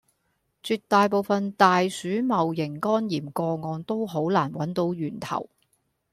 絕大部份大鼠戊型肝炎個案都好難搵到源頭